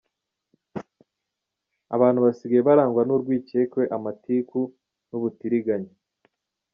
Abantu basigaye barangwa n’urwikekwe, amatiku n’ubutiriganya.